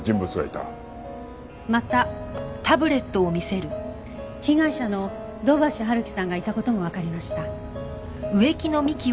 また被害者の土橋春樹さんがいた事もわかりました。